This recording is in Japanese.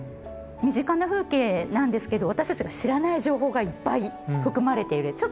身近な風景なんですけど私たちが知らない情報がいっぱい含まれている。